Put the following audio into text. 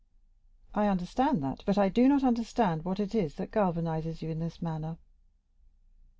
"I understand that, but I do not understand what it is that galvanizes you in this manner."